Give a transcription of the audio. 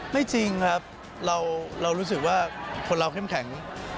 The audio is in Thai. จริงครับเรารู้สึกว่าคนเราเข้มแข็ง